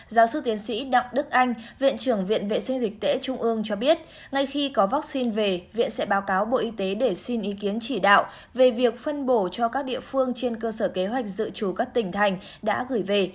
giáo sư tiến sĩ đặng đức anh viện trưởng viện vệ sinh dịch tễ trung ương cho biết ngay khi có vaccine về viện sẽ báo cáo bộ y tế để xin ý kiến chỉ đạo về việc phân bổ cho các địa phương trên cơ sở kế hoạch dự trù các tỉnh thành đã gửi về